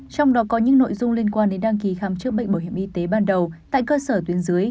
trong đó có những nội dung liên quan đến đăng ký khám chữa bệnh bảo hiểm y tế ban đầu tại cơ sở tuyến dưới